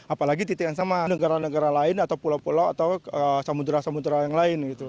apalagi titik yang sama negara negara lain atau pulau pulau atau samudera samudera yang lain gitu